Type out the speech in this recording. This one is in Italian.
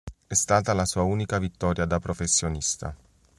È stata la sua unica vittoria da professionista.